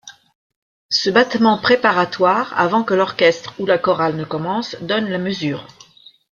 Ce battement préparatoire, avant que l'orchestre ou la chorale ne commence, donne la mesure.